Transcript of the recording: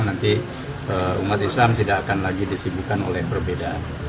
nanti umat islam tidak akan lagi disibukan oleh perbedaan